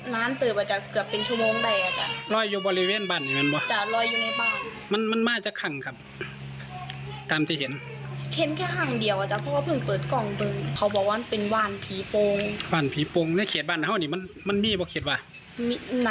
มาทำของใสหรือเหตุแบบอะไรครับ